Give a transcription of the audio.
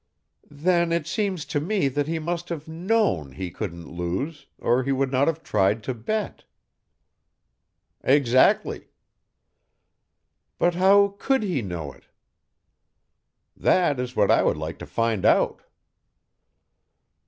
"Then it seems to me that he must have known he couldn't lose or he would not have tried to bet." "Exactly." "But how could he know it?" "That is what I would like to find out."